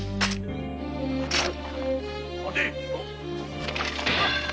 待て！